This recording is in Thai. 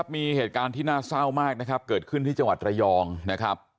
มีเหตุการณ์ที่น่าเศร้ามากนะครับเกิดขึ้นที่จังหวัดระยองนะครับ